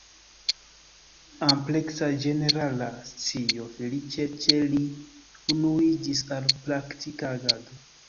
Ampleksa ĝenerala scio feliĉe ĉe li unuiĝis al praktika agado.